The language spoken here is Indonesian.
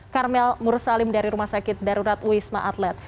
karmel mursalim dari rumah sakit darurat wisma atlet